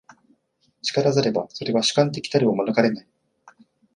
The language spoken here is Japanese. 然らざれば、それは主観的たるを免れない。